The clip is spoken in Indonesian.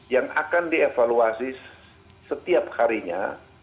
yang akan dievaluasi setiap harinya